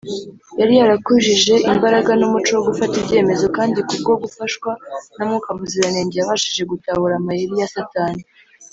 ; yari yarakujije imbaraga n’umuco wo gufata ibyemezo, kandi kubwo gufashwa na Mwuka Muziranenge yabashije gutahura amayeri ya Satani